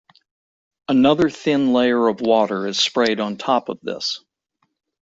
Another thin layer of water is sprayed on top of this.